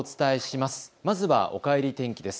まずはおかえり天気です。